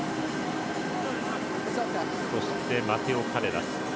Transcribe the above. そして、マテオ・カレラス。